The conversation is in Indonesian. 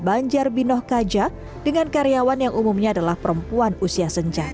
banjarbino kaja dengan karyawan yang umumnya adalah perempuan usia senjata